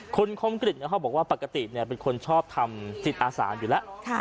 คุณคมกริจเขาบอกว่าปกติเป็นคนชอบทำจิตอาสาอยู่แล้ว